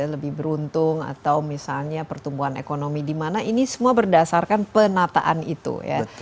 lebih beruntung atau misalnya pertumbuhan ekonomi dimana ini semua berdasarkan penataan itu ya